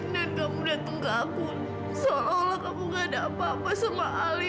dan kamu datang ke aku seolah olah kamu gak ada apa apa sama alia